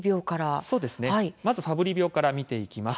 まずファブリー病から見ていきます。